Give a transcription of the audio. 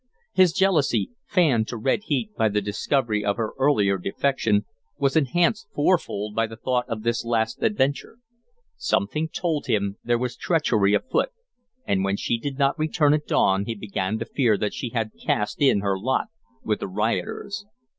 His jealousy, fanned to red heat by the discovery of her earlier defection, was enhanced fourfold by the thought of this last adventure. Something told him there was treachery afoot, and when she did not return at dawn he began to fear that she had cast in her lot with the rioters.